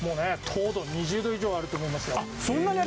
糖度２０度以上あると思いますよ。